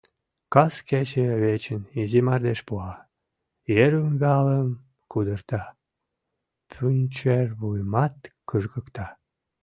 Кас кече вечын изи мардеж пуа, ер ӱмбалым кудырта, пӱнчер вуйымат кыжгыкта.